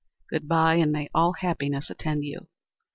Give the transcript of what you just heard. Good by, and may all happiness attend you.